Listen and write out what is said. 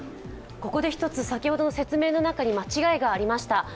ここで１つ、先ほどの説明の中に間違いがありました。